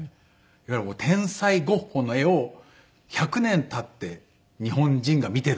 いわゆる天才ゴッホの絵を１００年経って日本人が見てるっていう。